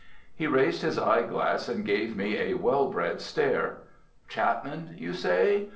He raised his eye glass and gave me a well bred stare. "Chapman you say?